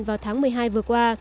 vào tháng một mươi hai vừa qua